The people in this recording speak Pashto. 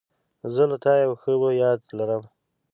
زه له تا یو ښه یاد لرم.